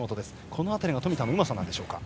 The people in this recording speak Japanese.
この辺りは冨田のうまさでしょうか。